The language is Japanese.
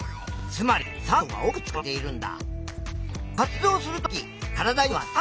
つまり酸素が多く使われているんだ！